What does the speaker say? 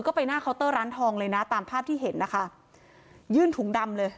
ก็ไปหน้าเคาน์เตอร์ร้านทองเลยนะตามภาพที่เห็นนะคะยื่นถุงดำเลย